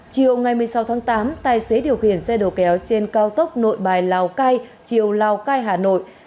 chiều ngày một mươi sáu tháng tám tài xế điều khiển xe đầu kéo trên cao tốc nội bài lào cai chiều lào cai hà nội